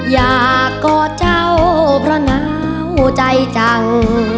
อยากกอดเจ้าเพราะหนาวใจจัง